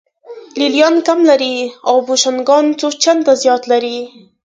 لې لیان کم لري او بوشونګان څو چنده زیات لري